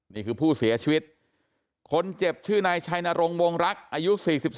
นี่คือผู้เสียชีวิตคนเจ็บชื่อนายชัยนรงวงรักอายุ๔๒